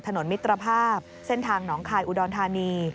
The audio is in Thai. มิตรภาพเส้นทางหนองคายอุดรธานี